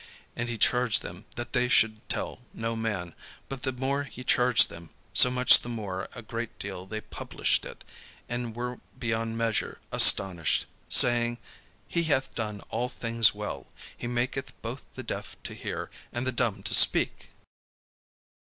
And he charged them that they should tell no man: but the more he charged them, so much the more a great deal they published it; and were beyond measure astonished, saying: "He hath done all things well: he maketh both the deaf to hear, and the dumb to speak."